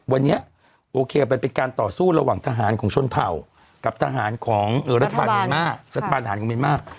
วันนี้โอเคมันเป็นการต่อสู้ระหว่างทหารของชนเผ่ากับทหารของรัฐบาลเมียนมาก